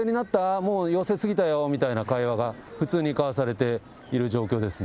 もう陽性過ぎたよみたいな会話が、普通に交わされている状況ですね。